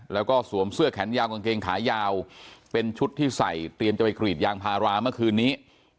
แล้วก็สวมเสื้อแขนยาวกางเกงขายาวเป็นชุดที่ใส่เตรียมจะไปกรีดยางพาราเมื่อคืนนี้